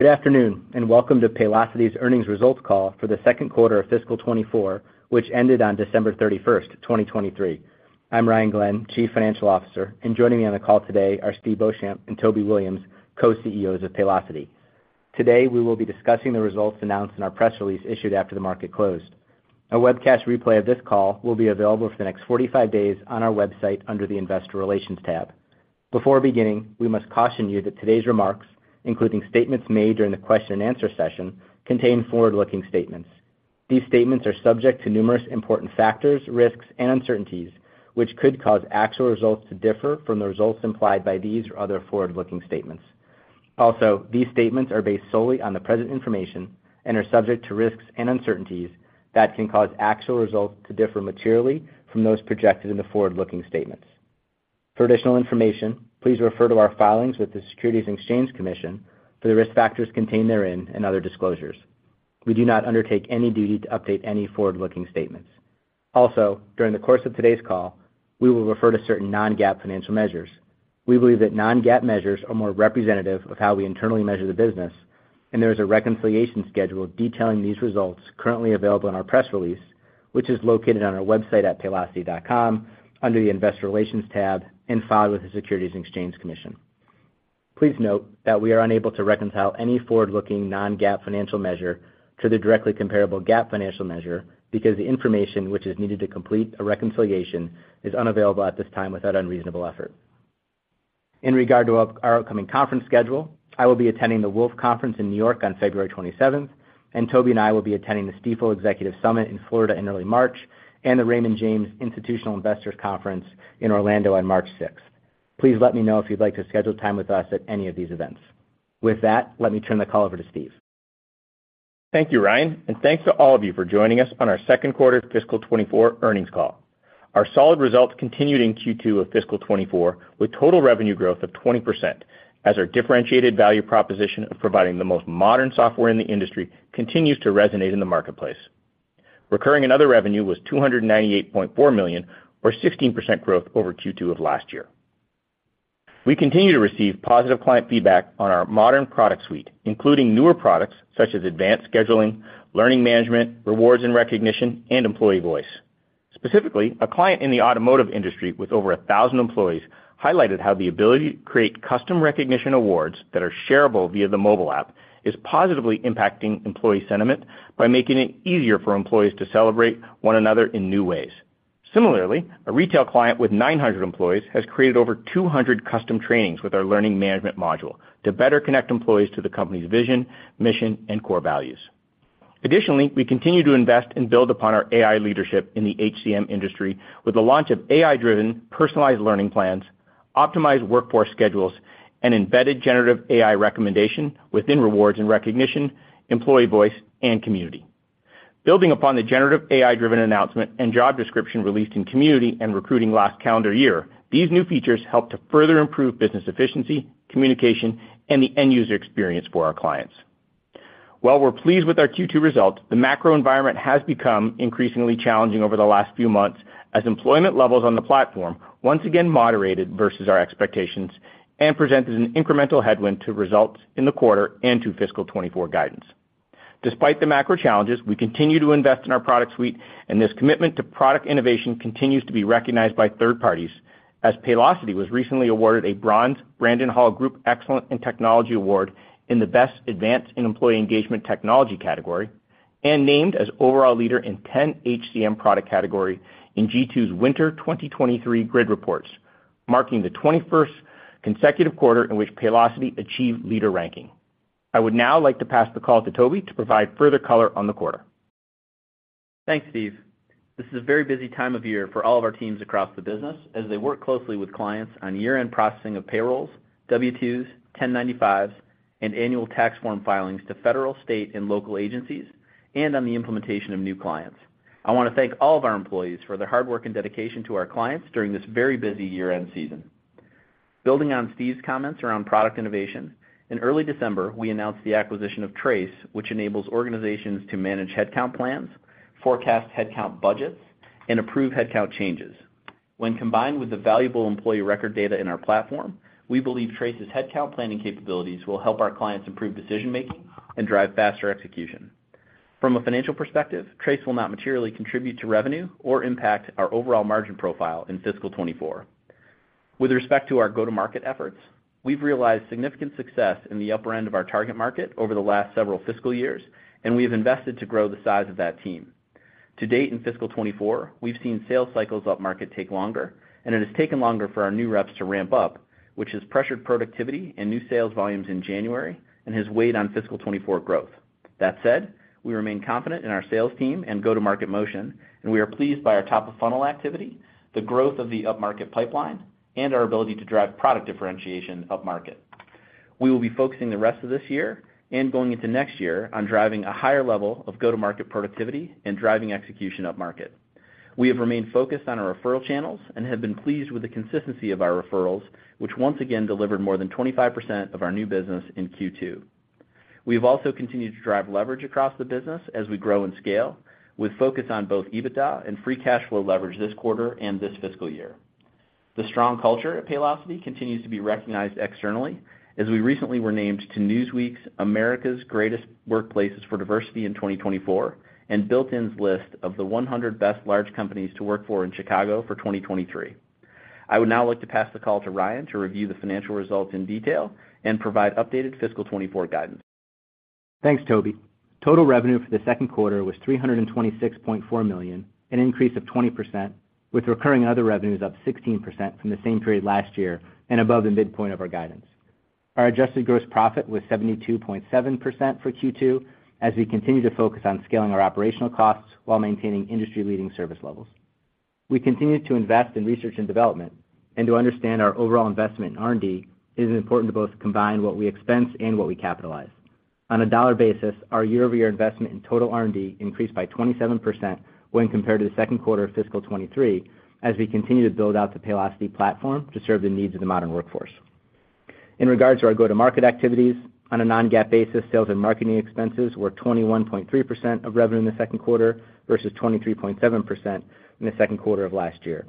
Good afternoon and welcome to Paylocity's earnings results call for the second quarter of fiscal 2024, which ended on December 31st, 2023. I'm Ryan Glenn, Chief Financial Officer, and joining me on the call today are Steve Beauchamp and Toby Williams, co-CEOs of Paylocity. Today we will be discussing the results announced in our press release issued after the market closed. A webcast replay of this call will be available for the next 45 days on our website under the Investor Relations tab. Before beginning, we must caution you that today's remarks, including statements made during the question-and-answer session, contain forward-looking statements. These statements are subject to numerous important factors, risks, and uncertainties, which could cause actual results to differ from the results implied by these or other forward-looking statements. Also, these statements are based solely on the present information and are subject to risks and uncertainties that can cause actual results to differ materially from those projected in the forward-looking statements. For additional information, please refer to our filings with the Securities and Exchange Commission for the risk factors contained therein and other disclosures. We do not undertake any duty to update any forward-looking statements. Also, during the course of today's call, we will refer to certain Non-GAAP financial measures. We believe that Non-GAAP measures are more representative of how we internally measure the business, and there is a reconciliation schedule detailing these results currently available in our press release, which is located on our website at paylocity.com under the Investor Relations tab and filed with the Securities and Exchange Commission. Please note that we are unable to reconcile any forward-looking non-GAAP financial measure to the directly comparable GAAP financial measure because the information which is needed to complete a reconciliation is unavailable at this time without unreasonable effort. In regard to our upcoming conference schedule, I will be attending the Wolfe Conference in New York on February 27th, and Toby and I will be attending the Stifel Executive Summit in Florida in early March and the Raymond James Institutional Investors Conference in Orlando on March 6th. Please let me know if you'd like to schedule time with us at any of these events. With that, let me turn the call over to Steve. Thank you, Ryan, and thanks to all of you for joining us on our second quarter of fiscal 2024 earnings call. Our solid results continued in Q2 of fiscal 2024 with total revenue growth of 20% as our differentiated value proposition of providing the most modern software in the industry continues to resonate in the marketplace. Recurring and other revenue was $298.4 million, or 16% growth over Q2 of last year. We continue to receive positive client feedback on our modern product suite, including newer products such as Advanced Scheduling, Learning Management, Rewards and Recognition, and Employee Voice. Specifically, a client in the automotive industry with over 1,000 employees highlighted how the ability to create custom recognition awards that are shareable via the mobile app is positively impacting employee sentiment by making it easier for employees to celebrate one another in new ways. Similarly, a retail client with 900 employees has created over 200 custom trainings with our Learning Management module to better connect employees to the company's vision, mission, and core values. Additionally, we continue to invest and build upon our AI leadership in the HCM industry with the launch of AI-driven personalized learning plans, optimized workforce schedules, and embedded generative AI recommendation within Rewards and Recognition, Employee Voice, and Community. Building upon the generative AI-driven announcement and job description released in Community and Recruiting last calendar year, these new features help to further improve business efficiency, communication, and the end-user experience for our clients. While we're pleased with our Q2 results, the macro environment has become increasingly challenging over the last few months as employment levels on the platform once again moderated versus our expectations and presented an incremental headwind to results in the quarter and to fiscal 2024 guidance. Despite the macro challenges, we continue to invest in our product suite, and this commitment to product innovation continues to be recognized by third parties as Paylocity was recently awarded a Bronze Brandon Hall Group Excellence in Technology Award in the Best Advance in Employee Engagement Technology category and named as overall leader in 10 HCM product category in G2's Winter 2023 Grid Reports, marking the 21st consecutive quarter in which Paylocity achieved leader ranking. I would now like to pass the call to Toby to provide further color on the quarter. Thanks, Steve. This is a very busy time of year for all of our teams across the business as they work closely with clients on year-end processing of payrolls, W-2s, 1095s, and annual tax form filings to federal, state, and local agencies, and on the implementation of new clients. I want to thank all of our employees for their hard work and dedication to our clients during this very busy year-end season. Building on Steve's comments around product innovation, in early December we announced the acquisition of Trace, which enables organizations to manage headcount plans, forecast headcount budgets, and approve headcount changes. When combined with the valuable employee record data in our platform, we believe Trace's headcount planning capabilities will help our clients improve decision-making and drive faster execution. From a financial perspective, Trace will not materially contribute to revenue or impact our overall margin profile in fiscal 2024. With respect to our go-to-market efforts, we've realized significant success in the upper end of our target market over the last several fiscal years, and we have invested to grow the size of that team. To date in fiscal 2024, we've seen sales cycles up market take longer, and it has taken longer for our new reps to ramp up, which has pressured productivity and new sales volumes in January and has weighed on fiscal 2024 growth. That said, we remain confident in our sales team and go-to-market motion, and we are pleased by our top-of-funnel activity, the growth of the up-market pipeline, and our ability to drive product differentiation up market. We will be focusing the rest of this year and going into next year on driving a higher level of go-to-market productivity and driving execution up market. We have remained focused on our referral channels and have been pleased with the consistency of our referrals, which once again delivered more than 25% of our new business in Q2. We have also continued to drive leverage across the business as we grow and scale, with focus on both EBITDA and free cash flow leverage this quarter and this fiscal year. The strong culture at Paylocity continues to be recognized externally as we recently were named to Newsweek's America's Greatest Workplaces for Diversity in 2024 and Built In's list of the 100 Best Large Companies to Work For in Chicago for 2023. I would now like to pass the call to Ryan to review the financial results in detail and provide updated fiscal 2024 guidance. Thanks, Toby. Total revenue for the second quarter was $326.4 million, an increase of 20%, with recurring and other revenues up 16% from the same period last year and above the midpoint of our guidance. Our adjusted gross profit was 72.7% for Q2 as we continue to focus on scaling our operational costs while maintaining industry-leading service levels. We continue to invest in research and development, and to understand our overall investment in R&D is important to both combine what we expense and what we capitalize. On a dollar basis, our year-over-year investment in total R&D increased by 27% when compared to the second quarter of fiscal 2023 as we continue to build out the Paylocity platform to serve the needs of the modern workforce. In regards to our go-to-market activities, on a non-GAAP basis, sales and marketing expenses were 21.3% of revenue in the second quarter versus 23.7% in the second quarter of last year.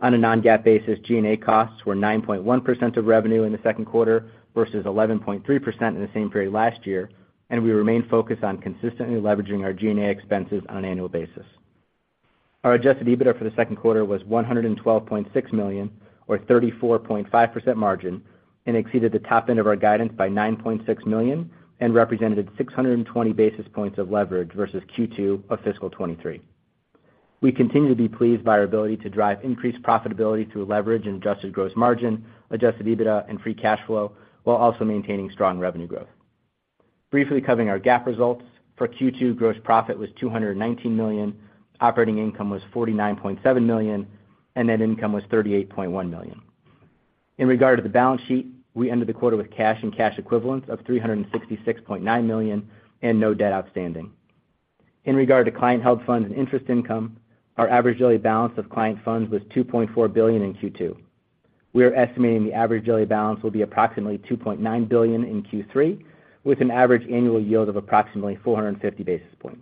On a non-GAAP basis, G&A costs were 9.1% of revenue in the second quarter versus 11.3% in the same period last year, and we remain focused on consistently leveraging our G&A expenses on an annual basis. Our adjusted EBITDA for the second quarter was $112.6 million, or 34.5% margin, and exceeded the top end of our guidance by $9.6 million and represented 620 basis points of leverage versus Q2 of fiscal 2023. We continue to be pleased by our ability to drive increased profitability through leverage and adjusted gross margin, adjusted EBITDA, and free cash flow while also maintaining strong revenue growth. Briefly covering our GAAP results, for Q2 gross profit was $219 million, operating income was $49.7 million, and net income was $38.1 million. In regard to the balance sheet, we ended the quarter with cash and cash equivalents of $366.9 million and no debt outstanding. In regard to client-held funds and interest income, our average daily balance of client funds was $2.4 billion in Q2. We are estimating the average daily balance will be approximately $2.9 billion in Q3, with an average annual yield of approximately 450 basis points.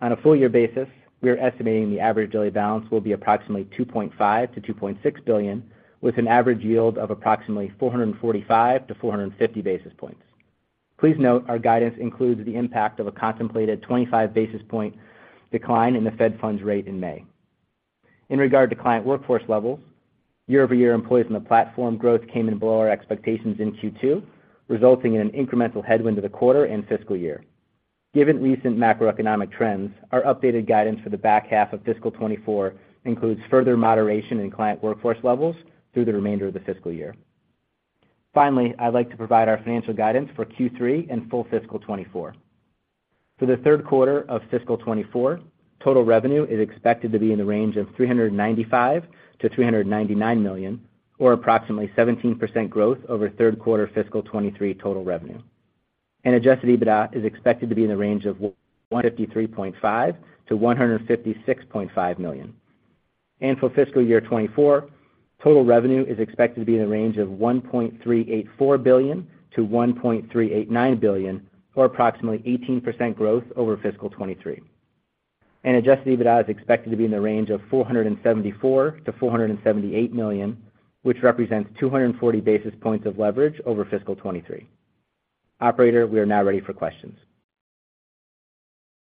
On a full-year basis, we are estimating the average daily balance will be approximately $2.5-$2.6 billion, with an average yield of approximately 445-450 basis points. Please note our guidance includes the impact of a contemplated 25 basis point decline in the Fed funds rate in May. In regard to client workforce levels, year-over-year employees on the platform growth came in below our expectations in Q2, resulting in an incremental headwind to the quarter and fiscal year. Given recent macroeconomic trends, our updated guidance for the back half of fiscal 2024 includes further moderation in client workforce levels through the remainder of the fiscal year. Finally, I'd like to provide our financial guidance for Q3 and full fiscal 2024. For the third quarter of fiscal 2024, total revenue is expected to be in the range of $395 million-$399 million, or approximately 17% growth over third quarter fiscal 2023 total revenue. Adjusted EBITDA is expected to be in the range of $153.5 million-$156.5 million. For fiscal year 2024, total revenue is expected to be in the range of $1.384 billion-$1.389 billion, or approximately 18% growth over fiscal 2023. Adjusted EBITDA is expected to be in the range of $474 million-$478 million, which represents 240 basis points of leverage over fiscal 2023. Operator, we are now ready for questions.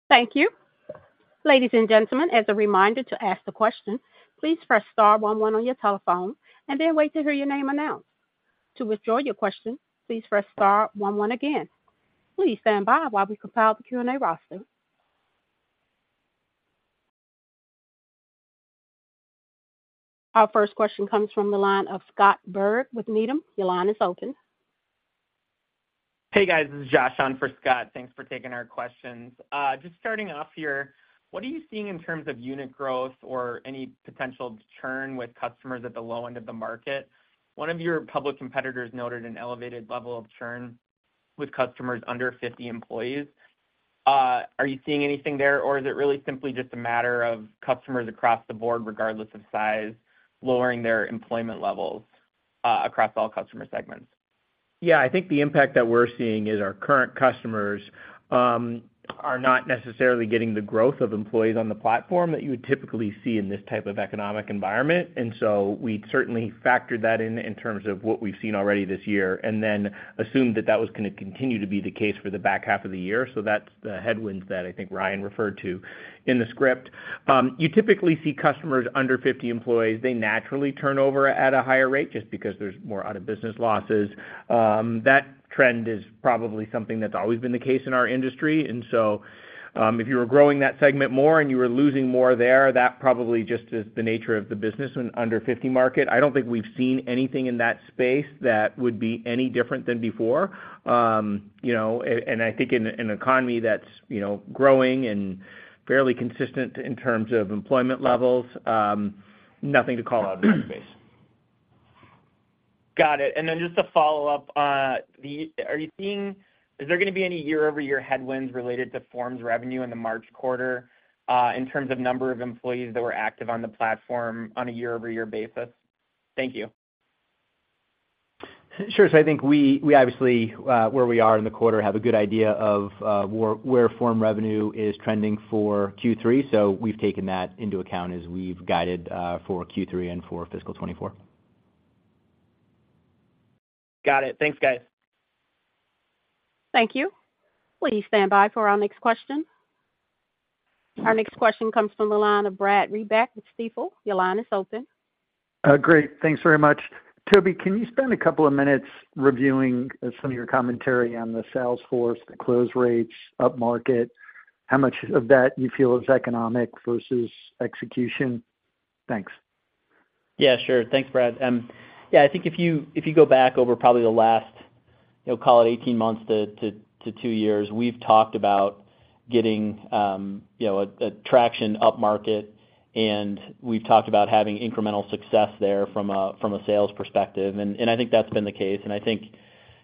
Thank you. Ladies and gentlemen, as a reminder to ask the question, please press star one one on your telephone and then wait to hear your name announced. To withdraw your question, please press star one one again. Please stand by while we compile the Q&A roster. Our first question comes from the line of Scott Berg with Needham. Your line is open. Hey, guys. This is Josh on for Scott. Thanks for taking our questions. Just starting off here, what are you seeing in terms of unit growth or any potential churn with customers at the low end of the market? One of your public competitors noted an elevated level of churn with customers under 50 employees. Are you seeing anything there, or is it really simply just a matter of customers across the board, regardless of size, lowering their employment levels across all customer segments? Yeah, I think the impact that we're seeing is our current customers are not necessarily getting the growth of employees on the platform that you would typically see in this type of economic environment. And so we certainly factored that in in terms of what we've seen already this year and then assumed that that was going to continue to be the case for the back half of the year. So that's the headwinds that I think Ryan referred to in the script. You typically see customers under 50 employees. They naturally turn over at a higher rate just because there's more out-of-business losses. That trend is probably something that's always been the case in our industry. And so if you were growing that segment more and you were losing more there, that probably just is the nature of the business under 50 market. I don't think we've seen anything in that space that would be any different than before. I think in an economy that's growing and fairly consistent in terms of employment levels, nothing to call out in that space. Got it. And then just to follow up, is there going to be any year-over-year headwinds related to forms revenue in the March quarter in terms of number of employees that were active on the platform on a year-over-year basis? Thank you. Sure. So I think we obviously, where we are in the quarter, have a good idea of where form revenue is trending for Q3. So we've taken that into account as we've guided for Q3 and for fiscal 2024. Got it. Thanks, guys. Thank you. Please stand by for our next question. Our next question comes from the line of Brad Reback with Stifel. Your line is open. Great. Thanks very much. Toby, can you spend a couple of minutes reviewing some of your commentary on the Salesforce, the close rates, up market, how much of that you feel is economic versus execution? Thanks. Yeah, sure. Thanks, Brad. Yeah, I think if you go back over probably the last, call it, 18 months to two years, we've talked about getting traction up market, and we've talked about having incremental success there from a sales perspective. I think that's been the case. I think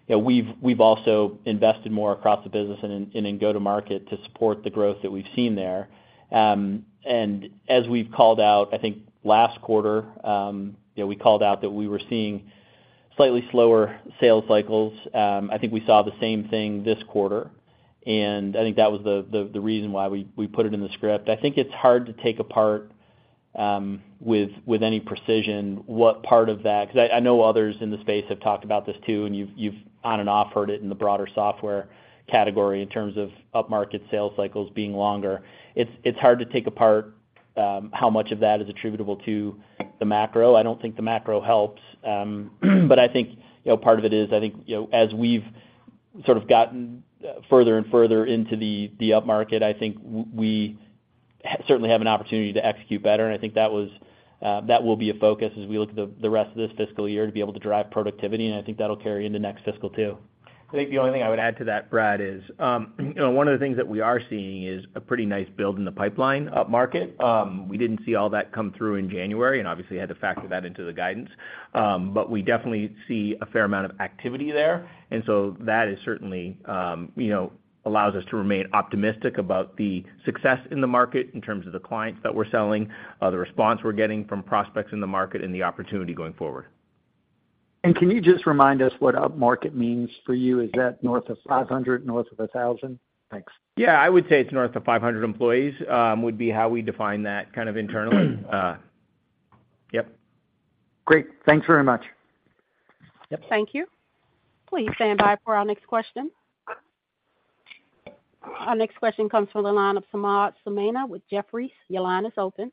we've also invested more across the business and in go-to-market to support the growth that we've seen there. As we've called out, I think last quarter, we called out that we were seeing slightly slower sales cycles. I think we saw the same thing this quarter, and I think that was the reason why we put it in the script. I think it's hard to take apart with any precision what part of that because I know others in the space have talked about this too, and you've on and off heard it in the broader software category in terms of up market sales cycles being longer. It's hard to take apart how much of that is attributable to the macro. I don't think the macro helps. But I think part of it is I think as we've sort of gotten further and further into the up market, I think we certainly have an opportunity to execute better. I think that will be a focus as we look at the rest of this fiscal year to be able to drive productivity. I think that'll carry into next fiscal too. I think the only thing I would add to that, Brad, is one of the things that we are seeing is a pretty nice build in the pipeline up market. We didn't see all that come through in January, and obviously, had to factor that into the guidance. But we definitely see a fair amount of activity there. And so that certainly allows us to remain optimistic about the success in the market in terms of the clients that we're selling, the response we're getting from prospects in the market, and the opportunity going forward. Can you just remind us what up market means for you? Is that north of 500, north of 1,000? Thanks. Yeah, I would say it's north of 500 employees would be how we define that kind of internally. Yep. Great. Thanks very much. Thank you. Please stand by for our next question. Our next question comes from the line of Samad Samana with Jefferies. Your line is open.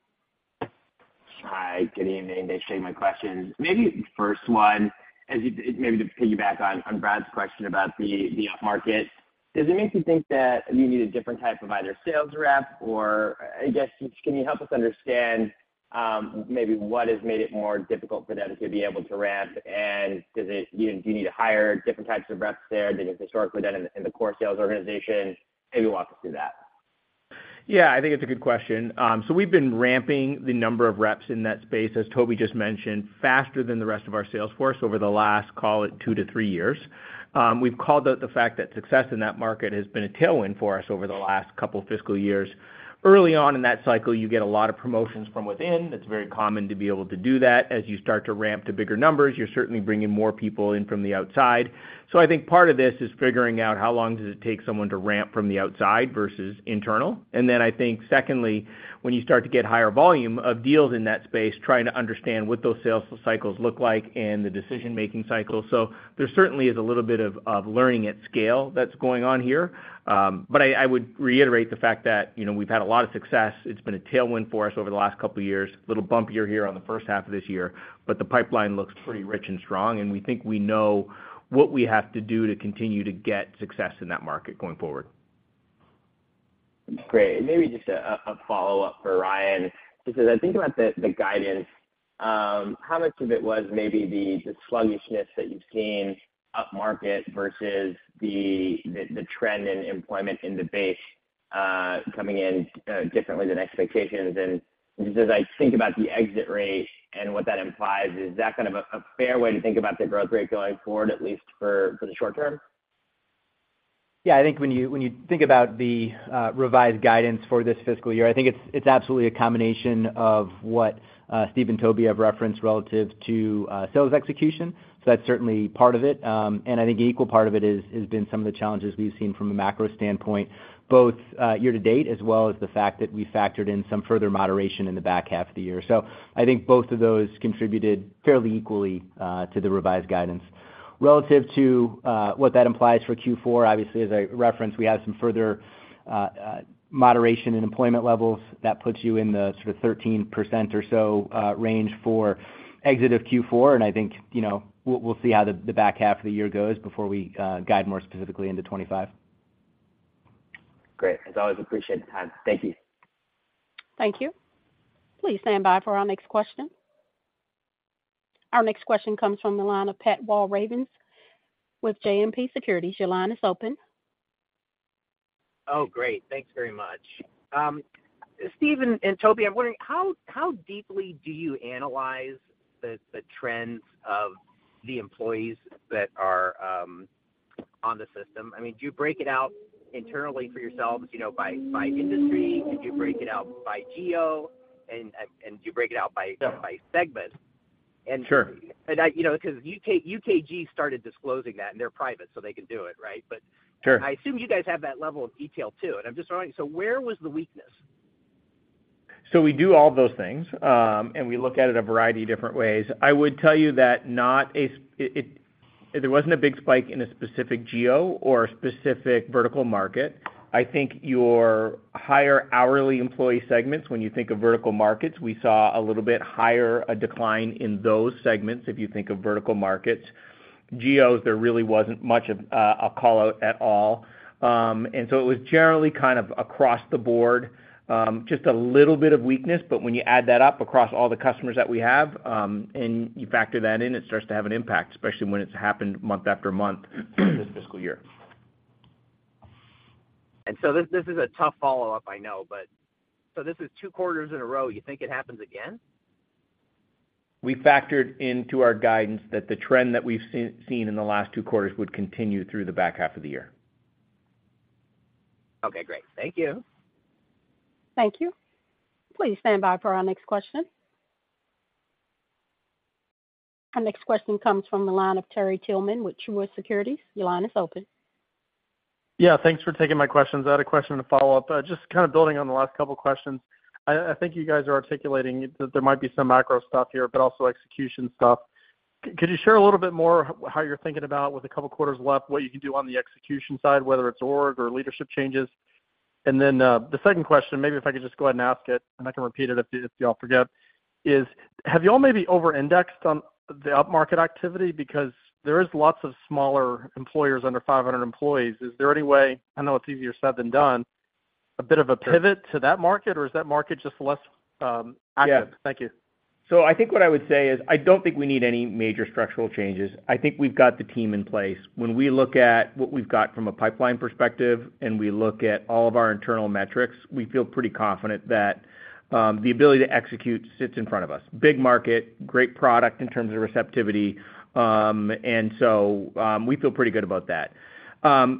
Hi. Good evening. Thanks for taking my questions. Maybe first one, maybe to piggyback on Brad's question about the up market, does it make you think that you need a different type of either sales rep or I guess, can you help us understand maybe what has made it more difficult for them to be able to ramp? And do you need to hire different types of reps there than you've historically done in the core sales organization? Maybe walk us through that. Yeah, I think it's a good question. So we've been ramping the number of reps in that space, as Toby just mentioned, faster than the rest of our sales force over the last, call it, two to three years. We've called out the fact that success in that market has been a tailwind for us over the last couple of fiscal years. Early on in that cycle, you get a lot of promotions from within. It's very common to be able to do that. As you start to ramp to bigger numbers, you're certainly bringing more people in from the outside. So I think part of this is figuring out how long does it take someone to ramp from the outside versus internal? Then I think, secondly, when you start to get higher volume of deals in that space, trying to understand what those sales cycles look like and the decision-making cycle. So there certainly is a little bit of learning at scale that's going on here. But I would reiterate the fact that we've had a lot of success. It's been a tailwind for us over the last couple of years, a little bumpier here on the first half of this year. But the pipeline looks pretty rich and strong, and we think we know what we have to do to continue to get success in that market going forward. Great. Maybe just a follow-up for Ryan. Just as I think about the guidance, how much of it was maybe the sluggishness that you've seen up market versus the trend in employment in the base coming in differently than expectations? Just as I think about the exit rate and what that implies, is that kind of a fair way to think about the growth rate going forward, at least for the short term? Yeah, I think when you think about the revised guidance for this fiscal year, I think it's absolutely a combination of what Steve and Toby have referenced relative to sales execution. So that's certainly part of it. And I think an equal part of it has been some of the challenges we've seen from a macro standpoint, both year to date as well as the fact that we factored in some further moderation in the back half of the year. So I think both of those contributed fairly equally to the revised guidance. Relative to what that implies for Q4, obviously, as I referenced, we have some further moderation in employment levels. That puts you in the sort of 13% or so range for exit of Q4. And I think we'll see how the back half of the year goes before we guide more specifically into 2025. Great. As always, appreciate the time. Thank you. Thank you. Please stand by for our next question. Our next question comes from the line of Pat Walravens with JMP Securities. Your line is open. Oh, great. Thanks very much. Steve and Toby, I'm wondering, how deeply do you analyze the trends of the employees that are on the system? I mean, do you break it out internally for yourselves by industry? And do you break it out by geo? And do you break it out by segment? And because UKG started disclosing that, and they're private, so they can do it, right? But I assume you guys have that level of detail too. And I'm just wondering, so where was the weakness? So we do all those things, and we look at it a variety of different ways. I would tell you that there wasn't a big spike in a specific GO or a specific vertical market. I think your higher hourly employee segments, when you think of vertical markets, we saw a little bit higher a decline in those segments if you think of vertical markets geos, there really wasn't much of a callout at all. And so it was generally kind of across the board, just a little bit of weakness. But when you add that up across all the customers that we have, and you factor that in, it starts to have an impact, especially when it's happened month after month this fiscal year. This is a tough follow-up, I know. This is two quarters in a row. You think it happens again? We factored into our guidance that the trend that we've seen in the last two quarters would continue through the back half of the year. Okay. Great. Thank you. Thank you. Please stand by for our next question. Our next question comes from the line of Terry Tillman with Truist Securities. Your line is open. Yeah, thanks for taking my questions. I had a question to follow up. Just kind of building on the last couple of questions, I think you guys are articulating that there might be some macro stuff here, but also execution stuff. Could you share a little bit more how you're thinking about with a couple of quarters left, what you can do on the execution side, whether it's org or leadership changes? And then the second question, maybe if I could just go ahead and ask it, and I can repeat it if you all forget, is have you all maybe over-indexed on the up market activity? Because there is lots of smaller employers under 500 employees. Is there any way - I know it's easier said than done - a bit of a pivot to that market, or is that market just less active? Thank you. Yeah. So I think what I would say is I don't think we need any major structural changes. I think we've got the team in place. When we look at what we've got from a pipeline perspective and we look at all of our internal metrics, we feel pretty confident that the ability to execute sits in front of us. Big market, great product in terms of receptivity. And so we feel pretty good about that.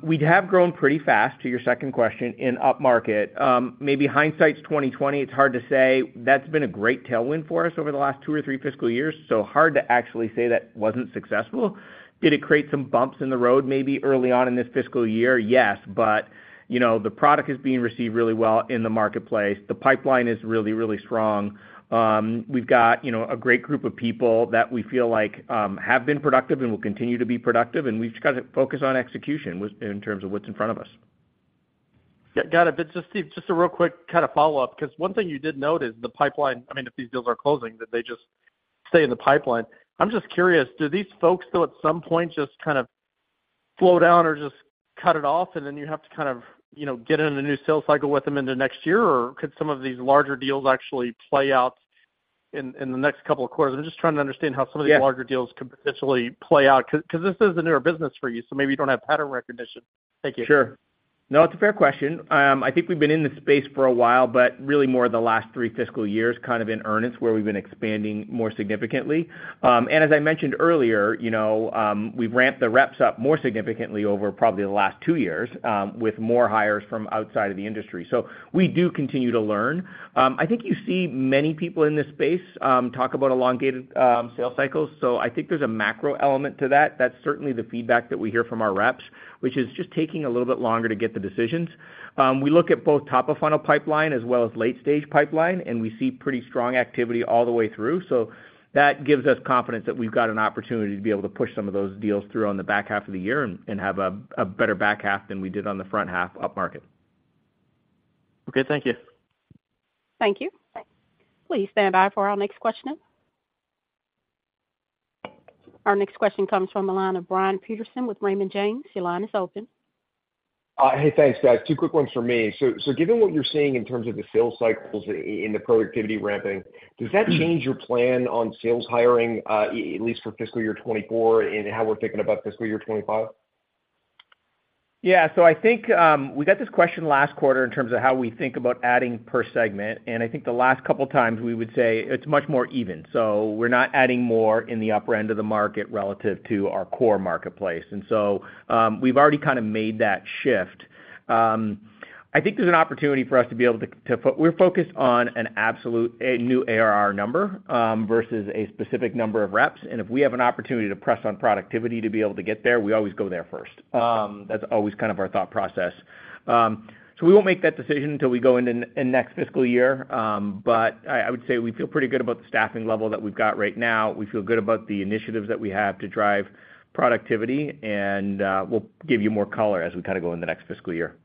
We have grown pretty fast, to your second question, in up market. Maybe hindsight's 20/20. It's hard to say. That's been a great tailwind for us over the last two or three fiscal years. So hard to actually say that wasn't successful. Did it create some bumps in the road maybe early on in this fiscal year? Yes. But the product is being received really well in the marketplace. The pipeline is really, really strong. We've got a great group of people that we feel like have been productive and will continue to be productive. We've got to focus on execution in terms of what's in front of us. Got it. Just a real quick kind of follow-up because one thing you did note is the pipeline I mean, if these deals are closing, that they just stay in the pipeline. I'm just curious, do these folks, though, at some point just kind of slow down or just cut it off, and then you have to kind of get in a new sales cycle with them into next year? Or could some of these larger deals actually play out in the next couple of quarters? I'm just trying to understand how some of these larger deals could potentially play out because this is a newer business for you, so maybe you don't have pattern recognition. Thank you. Sure. No, it's a fair question. I think we've been in this space for a while, but really more the last three fiscal years kind of in earnest where we've been expanding more significantly. And as I mentioned earlier, we've ramped the reps up more significantly over probably the last two years with more hires from outside of the industry. So we do continue to learn. I think you see many people in this space talk about elongated sales cycles. So I think there's a macro element to that. That's certainly the feedback that we hear from our reps, which is just taking a little bit longer to get the decisions. We look at both top-of-funnel pipeline as well as late-stage pipeline, and we see pretty strong activity all the way through. So that gives us confidence that we've got an opportunity to be able to push some of those deals through on the back half of the year and have a better back half than we did on the front half up market. Okay. Thank you. Thank you. Please stand by for our next question. Our next question comes from the line of Brian Peterson with Raymond James. Your line is open. Hey, thanks, guys. Two quick ones from me. So given what you're seeing in terms of the sales cycles and the productivity ramping, does that change your plan on sales hiring, at least for fiscal year 2024 and how we're thinking about fiscal year 2025? Yeah. So I think we got this question last quarter in terms of how we think about adding per segment. And I think the last couple of times, we would say it's much more even. So we're not adding more in the upper end of the market relative to our core marketplace. And so we've already kind of made that shift. I think there's an opportunity for us to be able to we're focused on an absolute new ARR number versus a specific number of reps. And if we have an opportunity to press on productivity to be able to get there, we always go there first. That's always kind of our thought process. So we won't make that decision until we go into next fiscal year. But I would say we feel pretty good about the staffing level that we've got right now. We feel good about the initiatives that we have to drive productivity. We'll give you more color as we kind of go into next fiscal year.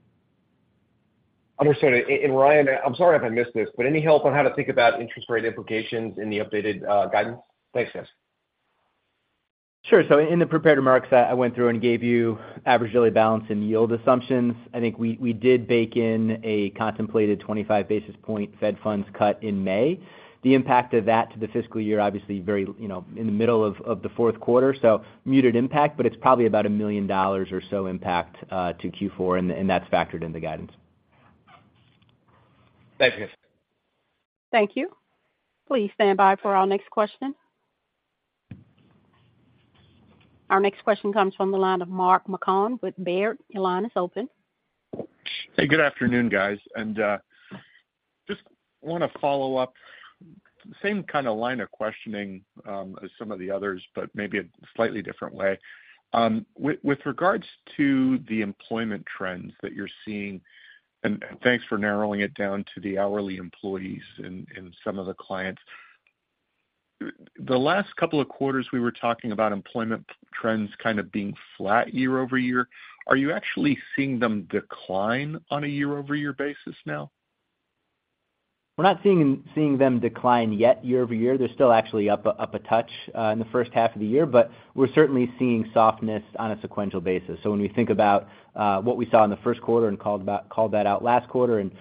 Understood. And Ryan, I'm sorry if I missed this, but any help on how to think about interest rate implications in the updated guidance? Thanks, guys. Sure. So in the prepared remarks that I went through and gave you, average daily balance and yield assumptions, I think we did bake in a contemplated 25 basis points Fed funds cut in May. The impact of that to the fiscal year, obviously, very in the middle of the fourth quarter. So muted impact, but it's probably about $1 million or so impact to Q4, and that's factored in the guidance. Thank you, guys. Thank you. Please stand by for our next question. Our next question comes from the line of Mark Marcon with Baird. Your line is open. Hey, good afternoon, guys. Just want to follow up the same kind of line of questioning as some of the others, but maybe a slightly different way. With regards to the employment trends that you're seeing and thanks for narrowing it down to the hourly employees in some of the clients. The last couple of quarters, we were talking about employment trends kind of being flat year-over-year. Are you actually seeing them decline on a year-over-year basis now? We're not seeing them decline yet year-over-year. They're still actually up a touch in the first half of the year. But we're certainly seeing softness on a sequential basis. So when we think about what we saw in the first quarter and called that out last quarter and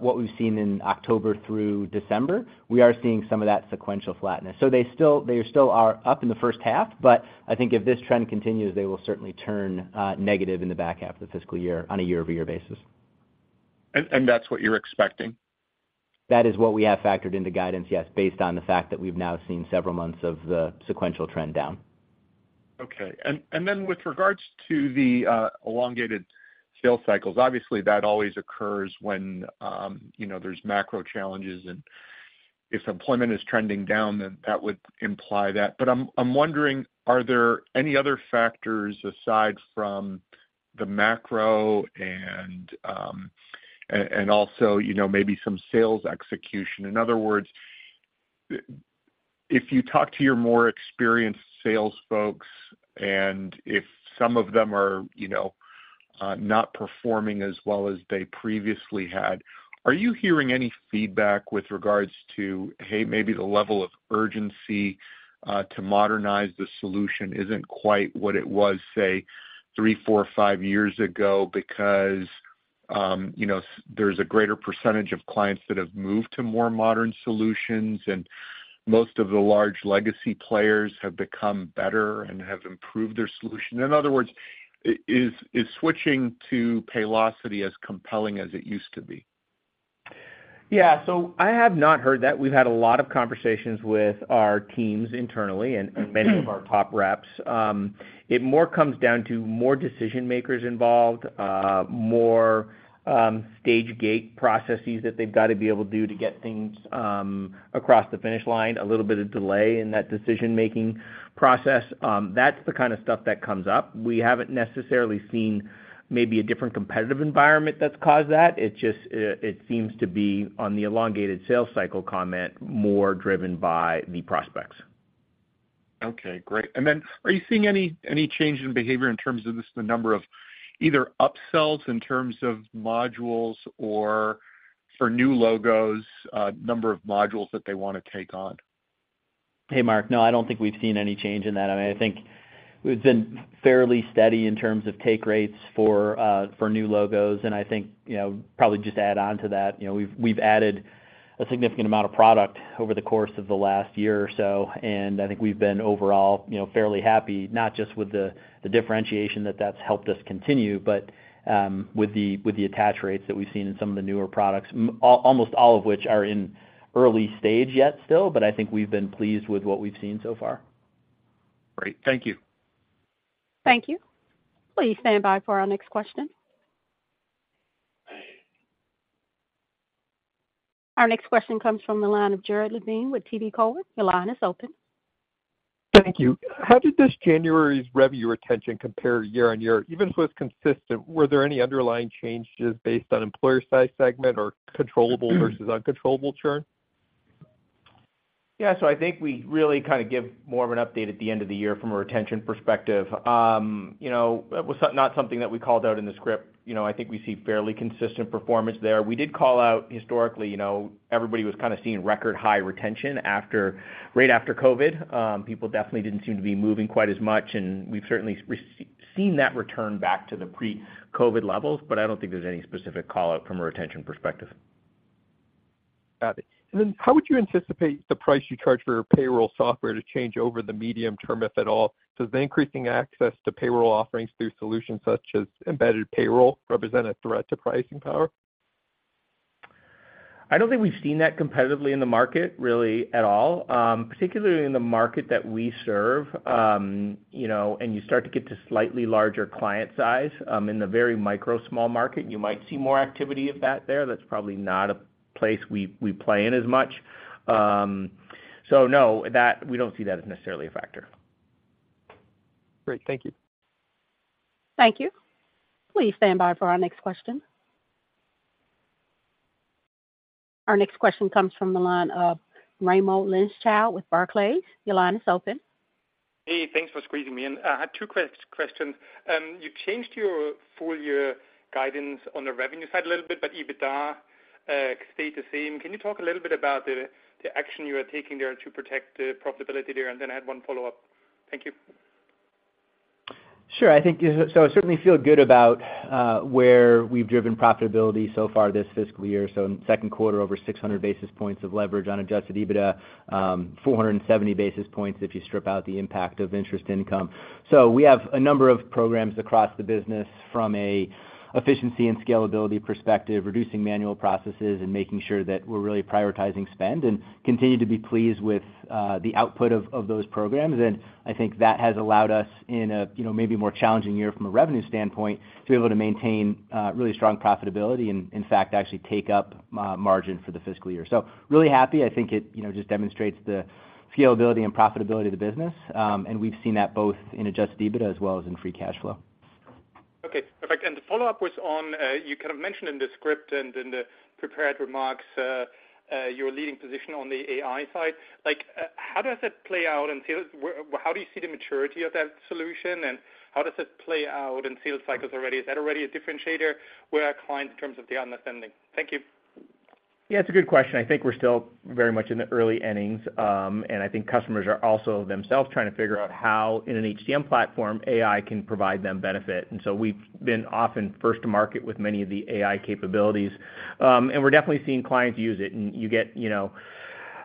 what we've seen in October through December, we are seeing some of that sequential flatness. So they still are up in the first half. But I think if this trend continues, they will certainly turn negative in the back half of the fiscal year on a year-over-year basis. That's what you're expecting? That is what we have factored into guidance, yes, based on the fact that we've now seen several months of the sequential trend down. Okay. Then with regards to the elongated sales cycles, obviously, that always occurs when there's macro challenges. And if employment is trending down, then that would imply that. But I'm wondering, are there any other factors aside from the macro and also maybe some sales execution? In other words, if you talk to your more experienced sales folks, and if some of them are not performing as well as they previously had, are you hearing any feedback with regards to, "Hey, maybe the level of urgency to modernize the solution isn't quite what it was, say, three, four, five years ago because there's a greater percentage of clients that have moved to more modern solutions, and most of the large legacy players have become better and have improved their solution"? In other words, is switching to Paylocity as compelling as it used to be? Yeah. So I have not heard that. We've had a lot of conversations with our teams internally and many of our top reps. It more comes down to more decision-makers involved, more stage-gate processes that they've got to be able to do to get things across the finish line, a little bit of delay in that decision-making process. That's the kind of stuff that comes up. We haven't necessarily seen maybe a different competitive environment that's caused that. It seems to be, on the elongated sales cycle comment, more driven by the prospects. Okay. Great. And then are you seeing any change in behavior in terms of just the number of either upsells in terms of modules or for new logos, number of modules that they want to take on? Hey, Mark, no, I don't think we've seen any change in that. I mean, I think it's been fairly steady in terms of take rates for new logos. And I think probably just add on to that, we've added a significant amount of product over the course of the last year or so. And I think we've been overall fairly happy, not just with the differentiation that that's helped us continue, but with the attach rates that we've seen in some of the newer products, almost all of which are in early stage yet still. But I think we've been pleased with what we've seen so far. Great. Thank you. Thank you. Please stand by for our next question. Our next question comes from the line of Jared Levine with TD Cowen. Your line is open. Thank you. How did this January's review attention compare year-over-year? Even if it was consistent, were there any underlying changes based on employer-size segment or controllable versus uncontrollable churn? Yeah. I think we really kind of give more of an update at the end of the year from a retention perspective. It was not something that we called out in the script. I think we see fairly consistent performance there. We did call out historically, everybody was kind of seeing record-high retention right after COVID. People definitely didn't seem to be moving quite as much. We've certainly seen that return back to the pre-COVID levels. I don't think there's any specific callout from a retention perspective. Got it. And then how would you anticipate the price you charge for your payroll software to change over the medium term, if at all? Does the increasing access to payroll offerings through solutions such as embedded payroll represent a threat to pricing power? I don't think we've seen that competitively in the market, really, at all, particularly in the market that we serve. You start to get to slightly larger client size. In the very micro-small market, you might see more activity of that there. That's probably not a place we play in as much. No, we don't see that as necessarily a factor. Great. Thank you. Thank you. Please stand by for our next question. Our next question comes from the line of Raimo Lenschow with Barclays. Your line is open. Hey, thanks for squeezing me in. I had two quick questions. You changed your full-year guidance on the revenue side a little bit, but EBITDA stayed the same. Can you talk a little bit about the action you are taking there to protect profitability there? And then I had one follow-up. Thank you. Sure. So I certainly feel good about where we've driven profitability so far this fiscal year. So in second quarter, over 600 basis points of leverage on Adjusted EBITDA, 470 basis points if you strip out the impact of interest income. So we have a number of programs across the business from an efficiency and scalability perspective, reducing manual processes, and making sure that we're really prioritizing spend and continue to be pleased with the output of those programs. And I think that has allowed us, in a maybe more challenging year from a revenue standpoint, to be able to maintain really strong profitability and, in fact, actually take up margin for the fiscal year. So really happy. I think it just demonstrates the scalability and profitability of the business. And we've seen that both in Adjusted EBITDA as well as in free cash flow. Okay. Perfect. The follow-up was on you kind of mentioned in the script and in the prepared remarks your leading position on the AI side. How does it play out in sales? How do you see the maturity of that solution? And how does it play out in sales cycles already? Is that already a differentiator with our clients in terms of their understanding? Thank you. Yeah, it's a good question. I think we're still very much in the early innings. And I think customers are also themselves trying to figure out how, in an HCM platform, AI can provide them benefit. And so we've been often first to market with many of the AI capabilities. And we're definitely seeing clients use it. And you get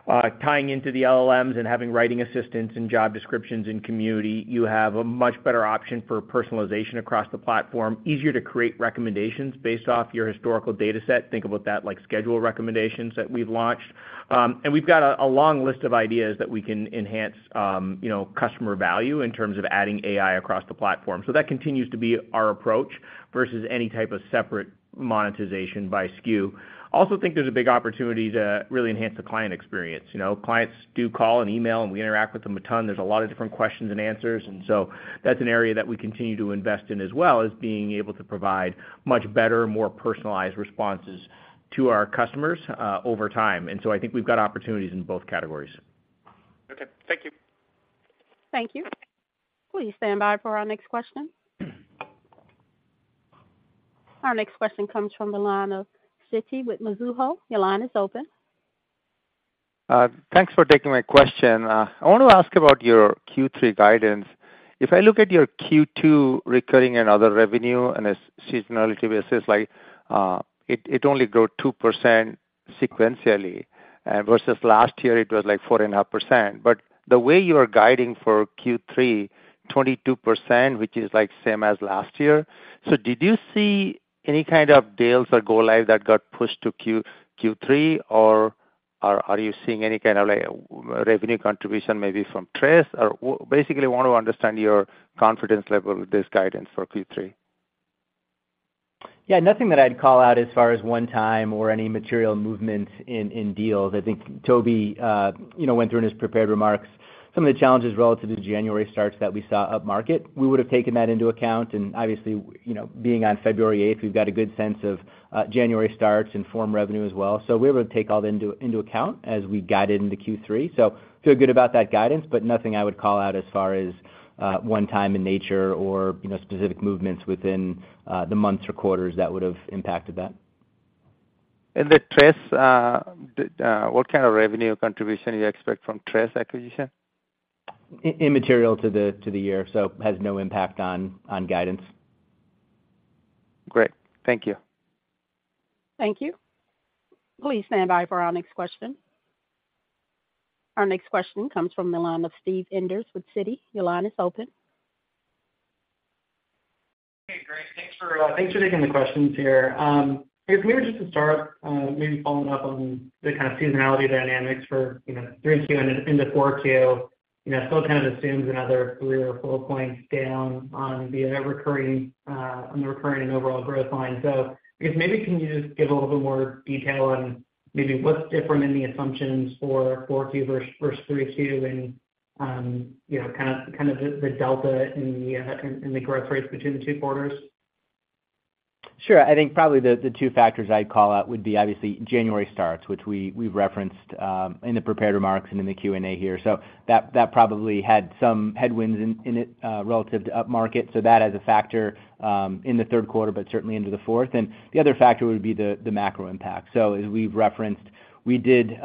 tying into the LLMs and having writing assistants and job descriptions in Community. You have a much better option for personalization across the platform, easier to create recommendations based off your historical dataset. Think about that like schedule recommendations that we've launched. And we've got a long list of ideas that we can enhance customer value in terms of adding AI across the platform. So that continues to be our approach versus any type of separate monetization by SKU. Also, I think there's a big opportunity to really enhance the client experience. Clients do call and email, and we interact with them a ton. There's a lot of different questions and answers. And so that's an area that we continue to invest in as well, is being able to provide much better, more personalized responses to our customers over time. And so I think we've got opportunities in both categories. Okay. Thank you. Thank you. Please stand by for our next question. Our next question comes from the line of Siti with Mizuho. Your line is open. Thanks for taking my question. I want to ask about your Q3 guidance. If I look at your Q2 recurring and other revenue on a seasonality basis, it only grew 2% sequentially versus last year. It was like 4.5%. But the way you are guiding for Q3, 22%, which is same as last year. So did you see any kind of deals or go-live that got pushed to Q3, or are you seeing any kind of revenue contribution maybe from Trace? Or basically, I want to understand your confidence level with this guidance for Q3. Yeah, nothing that I'd call out as far as one-time or any material movements in deals. I think Toby went through in his prepared remarks some of the challenges relative to January starts that we saw upmarket. We would have taken that into account. Obviously, being on February 8th, we've got a good sense of January starts and firm revenue as well. We were able to take all that into account as we guided into Q3. So feel good about that guidance, but nothing I would call out as far as one-time in nature or specific movements within the months or quarters that would have impacted that. The Trace, what kind of revenue contribution do you expect from Trace acquisition? Immaterial to the year, so has no impact on guidance. Great. Thank you. Thank you. Please stand by for our next question. Our next question comes from the line of Steve Enders with Citi. Your line is open. Okay. Great. Thanks for taking the questions here. I guess maybe just to start up, maybe following up on the kind of seasonality dynamics for 3Q into 4Q, still kind of assumes another three or four points down on the recurring and overall growth line. So I guess maybe can you just give a little bit more detail on maybe what's different in the assumptions for 4Q versus 3Q and kind of the delta in the growth rates between the two quarters? Sure. I think probably the two factors I'd call out would be, obviously, January starts, which we've referenced in the prepared remarks and in the Q&A here. So that probably had some headwinds in it relative to upmarket. So that as a factor in the third quarter, but certainly into the fourth. And the other factor would be the macro impact. So as we've referenced, we did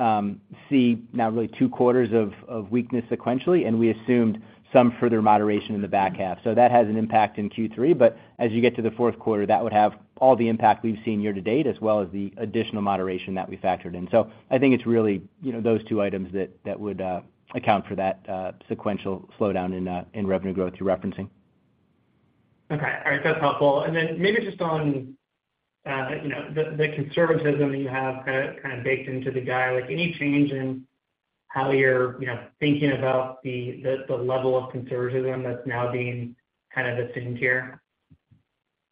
see now really two quarters of weakness sequentially, and we assumed some further moderation in the back half. So that has an impact in Q3. But as you get to the fourth quarter, that would have all the impact we've seen year to date as well as the additional moderation that we factored in. So I think it's really those two items that would account for that sequential slowdown in revenue growth you're referencing. Okay. All right. That's helpful. And then maybe just on the conservatism that you have kind of baked into the guide, any change in how you're thinking about the level of conservatism that's now being kind of assumed here?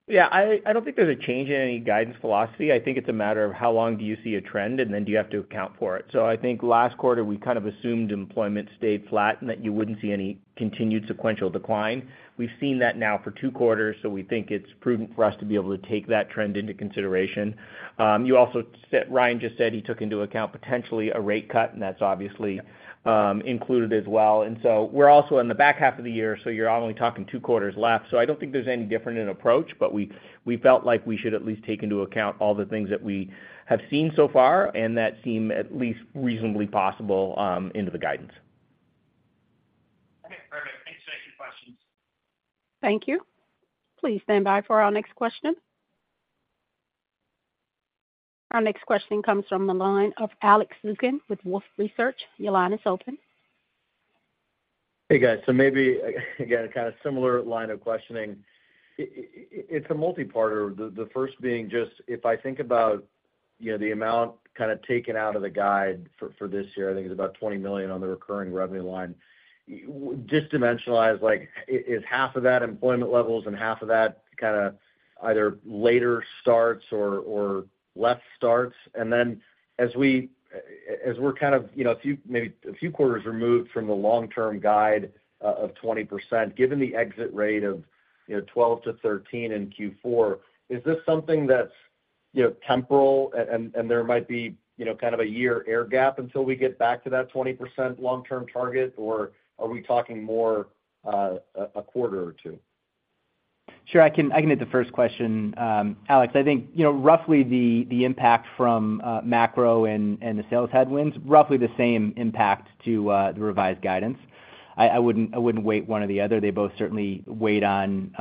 Yeah. I don't think there's a change in any guidance philosophy. I think it's a matter of how long do you see a trend, and then do you have to account for it? So I think last quarter, we kind of assumed employment stayed flat and that you wouldn't see any continued sequential decline. We've seen that now for two quarters, so we think it's prudent for us to be able to take that trend into consideration. Ryan just said he took into account potentially a rate cut, and that's obviously included as well. We're also in the back half of the year, so you're only talking two quarters left. So I don't think there's any difference in approach, but we felt like we should at least take into account all the things that we have seen so far and that seem at least reasonably possible into the guidance. Okay. Perfect. Thanks for asking questions. Thank you. Please stand by for our next question. Our next question comes from the line of Alex Zukin with Wolfe Research. Your line is open. Hey, guys. So maybe, again, kind of similar line of questioning. It's a multiparter, the first being just if I think about the amount kind of taken out of the guide for this year, I think it's about $20 million on the recurring revenue line. Dimensionalize, is half of that employment levels and half of that kind of either later starts or less starts? And then as we're kind of maybe a few quarters removed from the long-term guide of 20%, given the exit rate of 12%-13% in Q4, is this something that's temporal? And there might be kind of a year air gap until we get back to that 20% long-term target, or are we talking more a quarter or two? Sure. I can hit the first question. Alex, I think roughly the impact from macro and the sales headwinds, roughly the same impact to the revised guidance. I wouldn't weigh one or the other. They both certainly weigh on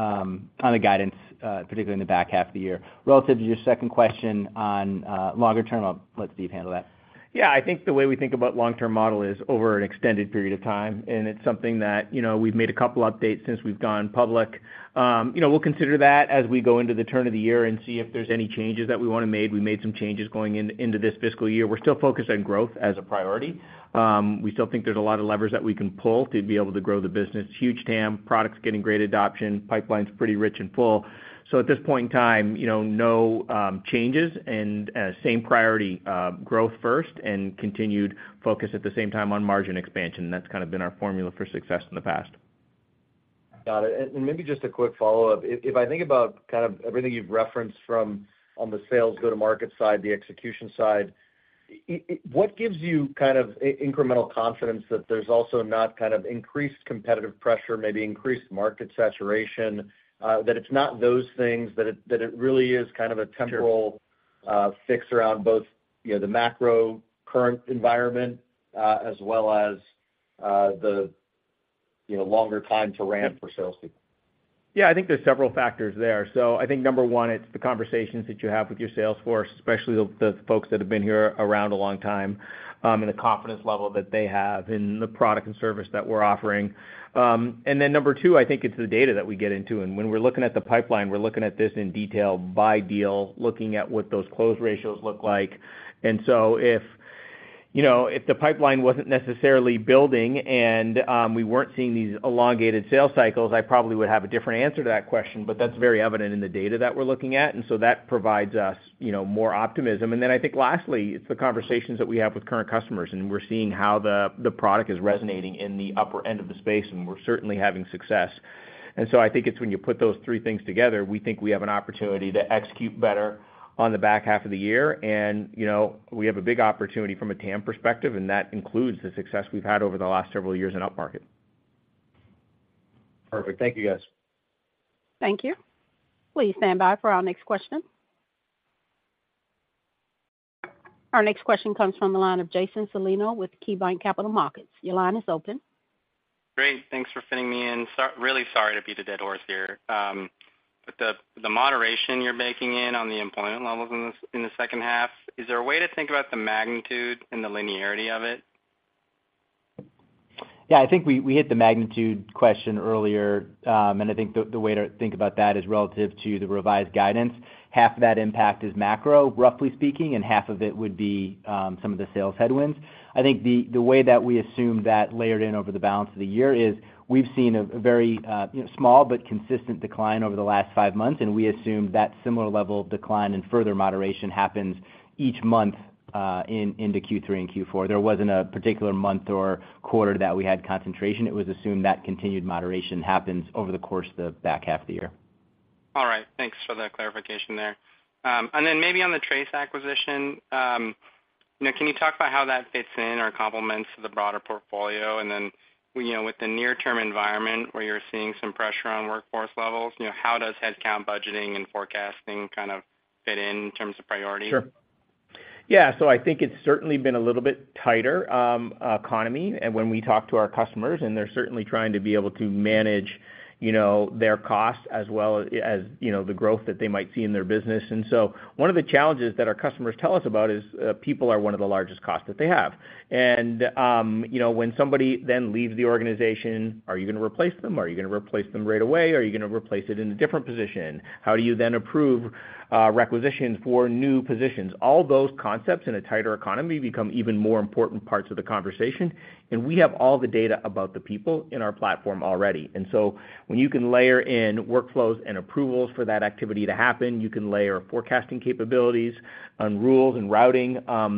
the guidance, particularly in the back half of the year. Relative to your second question on longer term, let Steve handle that. Yeah. I think the way we think about long-term model is over an extended period of time. It's something that we've made a couple of updates since we've gone public. We'll consider that as we go into the turn of the year and see if there's any changes that we want to make. We made some changes going into this fiscal year. We're still focused on growth as a priority. We still think there's a lot of levers that we can pull to be able to grow the business. Huge TAM, products getting great adoption, pipelines pretty rich and full. At this point in time, no changes and same priority, growth first and continued focus at the same time on margin expansion. That's kind of been our formula for success in the past. Got it. Maybe just a quick follow-up. If I think about kind of everything you've referenced from on the sales go-to-market side, the execution side, what gives you kind of incremental confidence that there's also not kind of increased competitive pressure, maybe increased market saturation, that it's not those things, that it really is kind of a temporary fix around both the macro current environment as well as the longer time to ramp for salespeople? Yeah. I think there's several factors there. So I think number one, it's the conversations that you have with your salesforce, especially the folks that have been here around a long time, and the confidence level that they have in the product and service that we're offering. And then number two, I think it's the data that we get into. And when we're looking at the pipeline, we're looking at this in detail by deal, looking at what those close ratios look like. And so if the pipeline wasn't necessarily building and we weren't seeing these elongated sales cycles, I probably would have a different answer to that question, but that's very evident in the data that we're looking at. And so that provides us more optimism. And then I think lastly, it's the conversations that you have with current customers. We're seeing how the product is resonating in the upper end of the space, and we're certainly having success. So I think it's when you put those three things together, we think we have an opportunity to execute better on the back half of the year. We have a big opportunity from a TAM perspective, and that includes the success we've had over the last several years in upmarket. Perfect. Thank you, guys. Thank you. Please stand by for our next question. Our next question comes from the line of Jason Celino with KeyBanc Capital Markets. Your line is open. Great. Thanks for fitting me in. Really sorry to beat a dead horse here. The moderation you're making in on the employment levels in the second half, is there a way to think about the magnitude and the linearity of it? Yeah. I think we hit the magnitude question earlier. I think the way to think about that is relative to the revised guidance. Half of that impact is macro, roughly speaking, and half of it would be some of the sales headwinds. I think the way that we assume that layered in over the balance of the year is we've seen a very small but consistent decline over the last 5 months, and we assume that similar level of decline and further moderation happens each month into Q3 and Q4. There wasn't a particular month or quarter that we had concentration. It was assumed that continued moderation happens over the course of the back half of the year. All right. Thanks for the clarification there. And then maybe on the Trace acquisition, can you talk about how that fits in or complements the broader portfolio? And then with the near-term environment where you're seeing some pressure on workforce levels, how does headcount budgeting and forecasting kind of fit in in terms of priority? Sure. Yeah. So I think it's certainly been a little bit tighter economy when we talk to our customers, and they're certainly trying to be able to manage their costs as well as the growth that they might see in their business. And so one of the challenges that our customers tell us about is people are one of the largest costs that they have. And when somebody then leaves the organization, are you going to replace them? Are you going to replace them right away? Are you going to replace it in a different position? How do you then approve requisitions for new positions? All those concepts in a tighter economy become even more important parts of the conversation. And we have all the data about the people in our platform already. So when you can layer in workflows and approvals for that activity to happen, you can layer forecasting capabilities on rules and routing.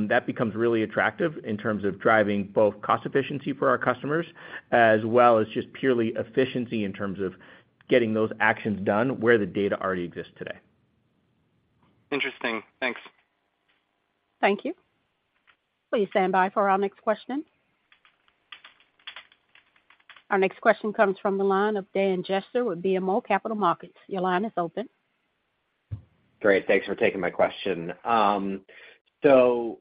That becomes really attractive in terms of driving both cost efficiency for our customers as well as just purely efficiency in terms of getting those actions done where the data already exists today. Interesting. Thanks. Thank you. Please stand by for our next question. Our next question comes from the line of Dan Jester with BMO Capital Markets. Your line is open. Great. Thanks for taking my question. So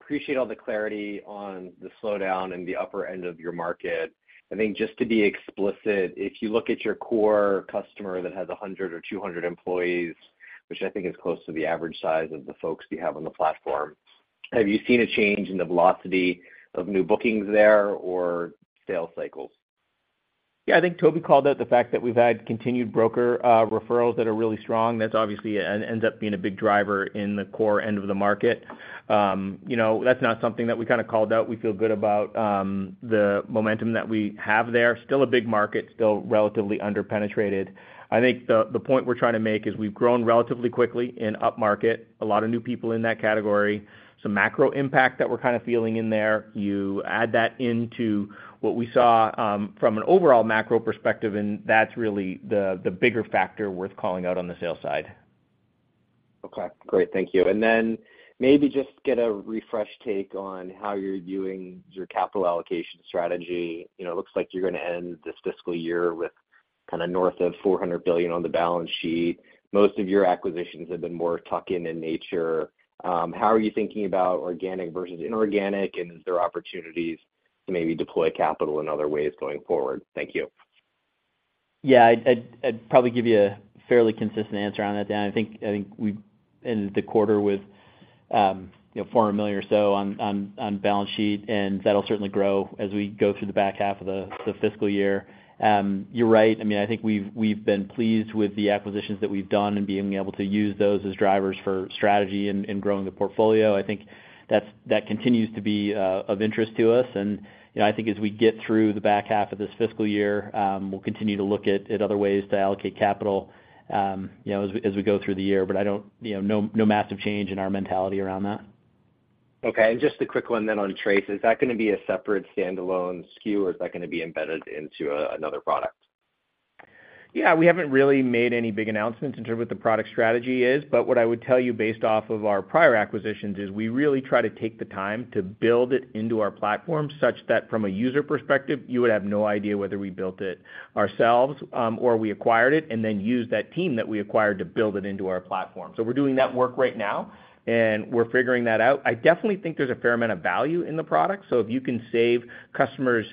appreciate all the clarity on the slowdown in the upper end of your market. I think just to be explicit, if you look at your core customer that has 100 or 200 employees, which I think is close to the average size of the folks you have on the platform, have you seen a change in the velocity of new bookings there or sales cycles? Yeah. I think Toby called out the fact that we've had continued broker referrals that are really strong. That obviously ends up being a big driver in the core end of the market. That's not something that we kind of called out. We feel good about the momentum that we have there. Still a big market, still relatively underpenetrated. I think the point we're trying to make is we've grown relatively quickly in upmarket, a lot of new people in that category, some macro impact that we're kind of feeling in there. You add that into what we saw from an overall macro perspective, and that's really the bigger factor worth calling out on the sales side. Okay. Great. Thank you. And then maybe just get a refreshed take on how you're viewing your capital allocation strategy. It looks like you're going to end this fiscal year with kind of north of $400 billion on the balance sheet. Most of your acquisitions have been more tuck-in in nature. How are you thinking about organic versus inorganic, and is there opportunities to maybe deploy capital in other ways going forward? Thank you. Yeah. I'd probably give you a fairly consistent answer on that, Dan. I think we ended the quarter with $400 million or so on balance sheet, and that'll certainly grow as we go through the back half of the fiscal year. You're right. I mean, I think we've been pleased with the acquisitions that we've done and being able to use those as drivers for strategy and growing the portfolio. I think that continues to be of interest to us. And I think as we get through the back half of this fiscal year, we'll continue to look at other ways to allocate capital as we go through the year. But no massive change in our mentality around that. Okay. And just the quick one then on Trace, is that going to be a separate standalone SKU, or is that going to be embedded into another product? Yeah. We haven't really made any big announcements in terms of what the product strategy is. But what I would tell you based off of our prior acquisitions is we really try to take the time to build it into our platform such that from a user perspective, you would have no idea whether we built it ourselves or we acquired it and then use that team that we acquired to build it into our platform. So we're doing that work right now, and we're figuring that out. I definitely think there's a fair amount of value in the product. So if you can save customers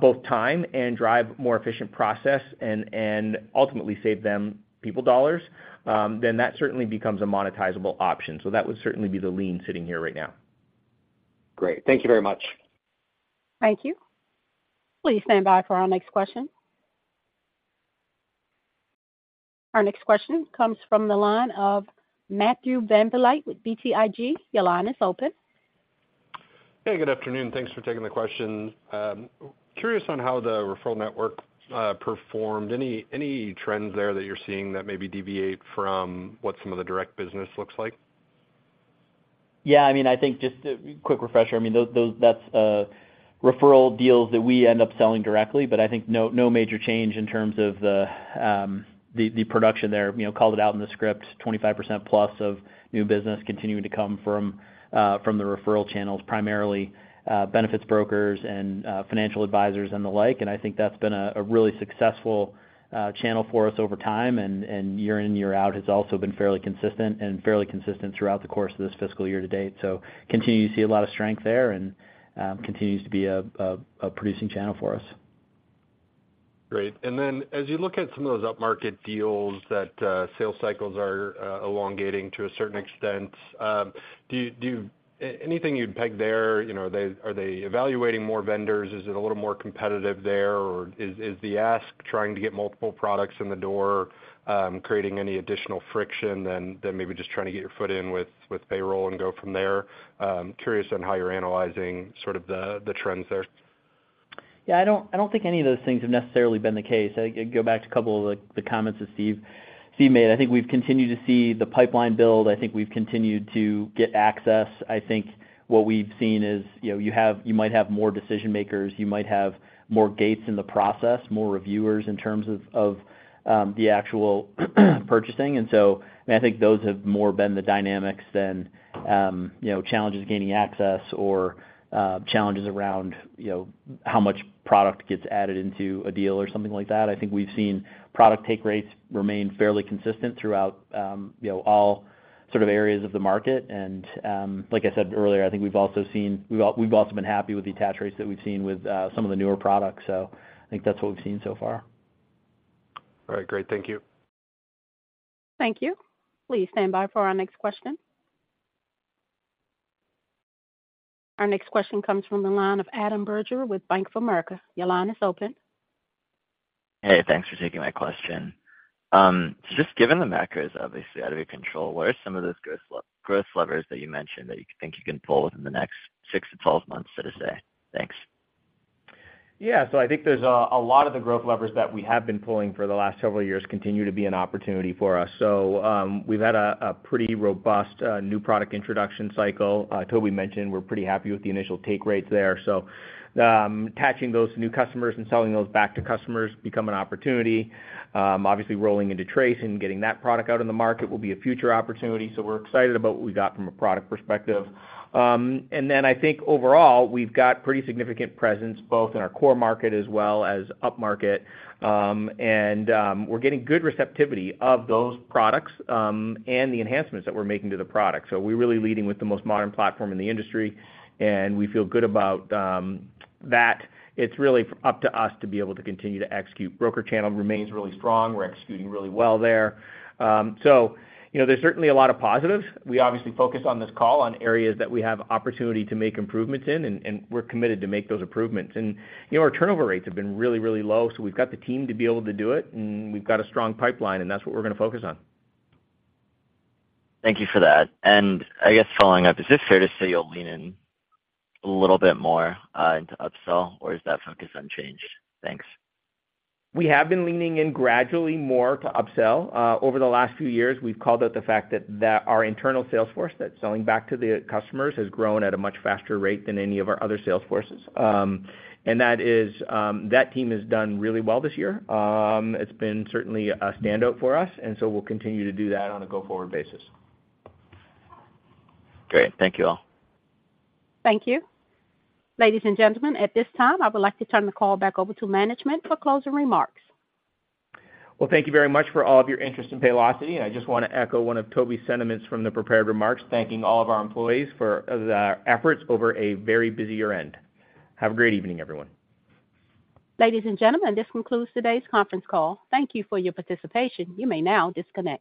both time and drive more efficient process and ultimately save them people dollars, then that certainly becomes a monetizable option. So that would certainly be the lean sitting here right now. Great. Thank you very much. Thank you. Please stand by for our next question. Our next question comes from the line of Matthew VanVliet with BTIG. Your line is open. Hey. Good afternoon. Thanks for taking the question. Curious on how the referral network performed. Any trends there that you're seeing that maybe deviate from what some of the direct business looks like? Yeah. I mean, I think just a quick refresher. I mean, that's referral deals that we end up selling directly, but I think no major change in terms of the production there. Called it out in the script, 25%+ of new business continuing to come from the referral channels, primarily benefits brokers and financial advisors and the like. And I think that's been a really successful channel for us over time. And year in, year out has also been fairly consistent and fairly consistent throughout the course of this fiscal year to date. So continue to see a lot of strength there and continues to be a producing channel for us. Great. And then as you look at some of those upmarket deals that sales cycles are elongating to a certain extent, anything you'd peg there, are they evaluating more vendors? Is it a little more competitive there, or is the ask trying to get multiple products in the door, creating any additional friction than maybe just trying to get your foot in with payroll and go from there? Curious on how you're analyzing sort of the trends there? Yeah. I don't think any of those things have necessarily been the case. I go back to a couple of the comments that Steve made. I think we've continued to see the pipeline build. I think we've continued to get access. I think what we've seen is you might have more decision-makers. You might have more gates in the process, more reviewers in terms of the actual purchasing. And so, I mean, I think those have more been the dynamics than challenges gaining access or challenges around how much product gets added into a deal or something like that. I think we've seen product take rates remain fairly consistent throughout all sort of areas of the market. And like I said earlier, I think we've also been happy with the attach rates that we've seen with some of the newer products. I think that's what we've seen so far. All right. Great. Thank you. Thank you. Please stand by for our next question. Our next question comes from the line of Adam Bergere with Bank of America. Your line is open. Hey. Thanks for taking my question. So just given the macro is obviously out of your control, what are some of those growth levers that you mentioned that you think you can pull within the next six 12 months, so to say? Thanks. Yeah. So I think there's a lot of the growth levers that we have been pulling for the last several years continue to be an opportunity for us. So we've had a pretty robust new product introduction cycle. Toby mentioned we're pretty happy with the initial take rates there. So attaching those to new customers and selling those back to customers become an opportunity. Obviously, rolling into Trace and getting that product out in the market will be a future opportunity. So we're excited about what we got from a product perspective. And then I think overall, we've got pretty significant presence both in our core market as well as upmarket. And we're getting good receptivity of those products and the enhancements that we're making to the product. So we're really leading with the most modern platform in the industry, and we feel good about that. It's really up to us to be able to continue to execute. Broker channel remains really strong. We're executing really well there. There's certainly a lot of positives. We obviously focus on this call on areas that we have opportunity to make improvements in, and we're committed to make those improvements. Our turnover rates have been really, really low, so we've got the team to be able to do it, and we've got a strong pipeline, and that's what we're going to focus on. Thank you for that. And I guess following up, is it fair to say you'll lean in a little bit more into upsell, or is that focus unchanged? Thanks. We have been leaning in gradually more to upsell. Over the last few years, we've called out the fact that our internal salesforce that's selling back to the customers has grown at a much faster rate than any of our other salesforces. That team has done really well this year. It's been certainly a standout for us, and so we'll continue to do that on a go-forward basis. Great. Thank you all. Thank you. Ladies and gentlemen, at this time, I would like to turn the call back over to management for closing remarks. Well, thank you very much for all of your interest in Paylocity. I just want to echo one of Toby's sentiments from the prepared remarks, thanking all of our employees for their efforts over a very busy year-end. Have a great evening, everyone. Ladies and gentlemen, this concludes today's conference call. Thank you for your participation. You may now disconnect.